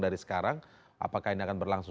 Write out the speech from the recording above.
dari sekarang apakah ini akan berlangsung